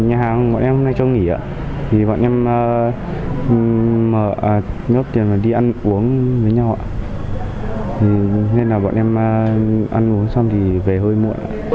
nhà hàng bọn em hôm nay chưa nghỉ bọn em nhớ tiền đi ăn uống với nhau nên bọn em ăn uống xong thì về hơi muộn